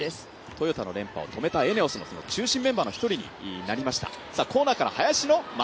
トヨタの連覇を止めたＥＮＥＯＳの中心メンバーの１人になりました。